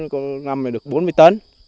có năm này được bốn mươi tấn